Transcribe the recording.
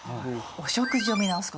お食事を見直す事。